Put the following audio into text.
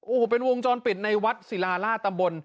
โอ้โหเป็นวงจรปิดในวัดศิลาล่าตำบล